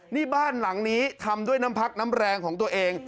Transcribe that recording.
นี่บ้านหลังนี้ทำด้วยน้ำพักน้ำแรงของตัวเอง